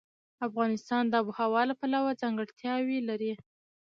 افغانستان د آب وهوا له پلوه ځانګړتیاوې لري.